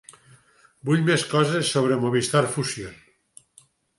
Vull més coses sobre Movistar Fusión.